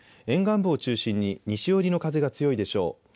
沿岸部を中心に西寄りの風が強いでしょう。